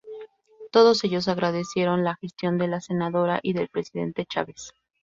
Todos ellos agradecieron la gestión de la Senadora y del presidente Chávez.